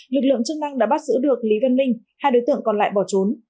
lực lượng chức năng đã bắt giữ được lý văn linh hai đối tượng còn lại bỏ trốn